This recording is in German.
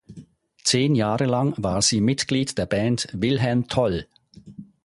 Zehn Jahre lang war sie Mitglied der Band "Wilhelm Toll".